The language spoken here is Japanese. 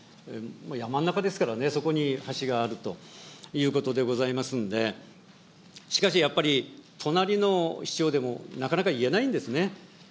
山の中ですからね、そこに橋があるということでございますんで、しかしやっぱり、隣の市長でもなかなか言えないんですね。